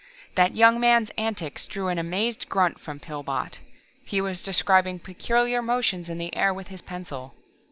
That young man's antics drew an amazed grunt from Pillbot. He was describing peculiar motions in the air with his pencil.